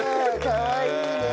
かわいいね。